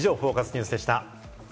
ニュースでした。